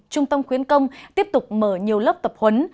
trung tâm khuyến công tiếp tục mở nhiều lớp tập huấn